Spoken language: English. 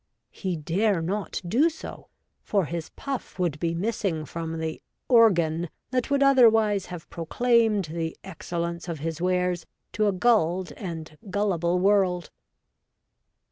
He dare not do so, for his puff would be missing from the ' organ ' that would otherwise have proclaimed the excellence of his wares to a gulled and gullible world.